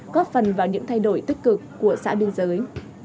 góp phần vào những thay đổi tích cực của xã biên giới